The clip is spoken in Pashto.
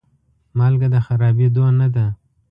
مالګه د خرابېدو نه ده.